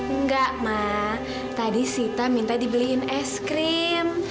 enggak mak tadi sita minta dibeliin es krim